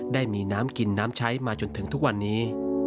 ได้มีน้ำกินน้ำใช้มาจนถึงทุกวันนี้